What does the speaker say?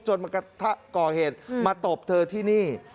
มากระทะก่อเหตุมาตบเธอที่นี่